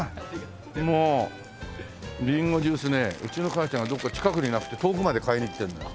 もうリンゴジュースねうちの母ちゃんがどこか近くになくて遠くまで買いに行ってるんだよ。